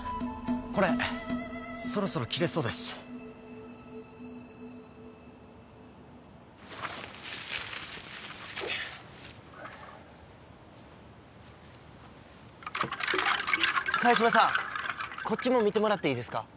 これそろそろ切れそうです萱島さんこっちも見てもらっていいですか？